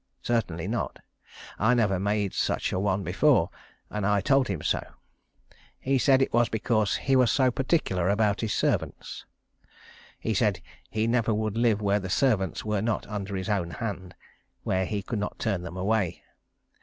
Certainly not. I never made such a one before, and I told him so. He said it was because he was so particular about his servants. He said he never would live where the servants were not under his own hand where he could not turn them away.